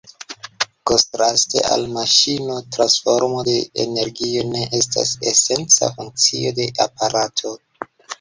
Kontraste al maŝino transformo de energio ne estas esenca funkcio de aparato.